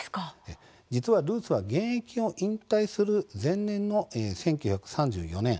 実はルースは現役を引退する前年の１９３４年